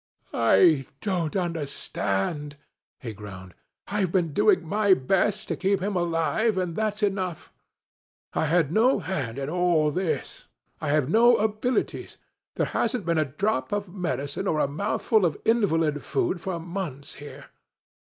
'I don't understand,' he groaned. 'I've been doing my best to keep him alive, and that's enough. I had no hand in all this. I have no abilities. There hasn't been a drop of medicine or a mouthful of invalid food for months here.